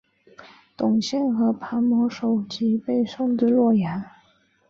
董宪和庞萌首级被送至洛阳。